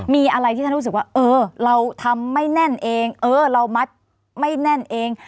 มีอะไรที่ท่านรู้สึกว่าเออเราทำไม่แน่นเองเออเรามัดไม่แน่นเอง